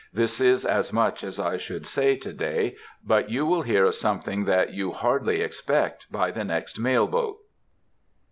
This is as much as I should say to day, but you will hear of something that you hardly expect by the next mail boat.